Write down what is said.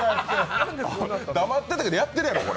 黙ってたけどやってるやろ、これ。